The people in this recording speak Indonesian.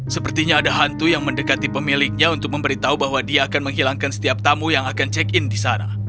sepertinya ada hantu yang mendekati pemiliknya untuk memberitahu bahwa dia akan menghilangkan setiap tamu yang akan check in di sana